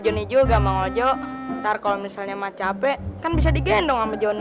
joni juga mau jok ntar kalau misalnya mah capek kan bisa digendong ama joni